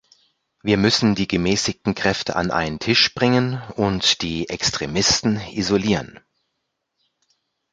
Wir müssen die gemäßigten Kräfte an einen Tisch bringen und die Extremisten isolieren.